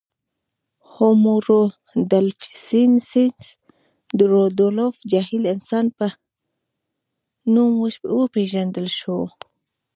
هومو رودولفنسیس د رودولف جهیل انسان په نوم وپېژندل شو.